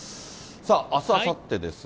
さあ、あす、あさってですが。